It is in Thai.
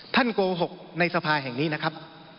โกหกในสภาแห่งนี้นะครับ